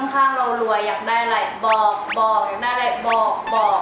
คนข้างเรารวยอยากได้อะไรบอกบอกบอก